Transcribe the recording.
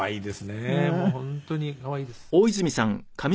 もう本当に可愛いです。